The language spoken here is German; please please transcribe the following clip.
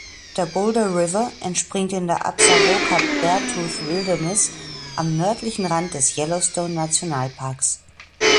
Der Boulder River entspringt in der Absaroka-Beartooth Wilderness am nördlichen Rand des Yellowstone-Nationalparks.